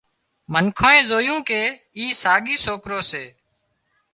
منکانئي زويون ڪي اي ساڳي سوڪرو سي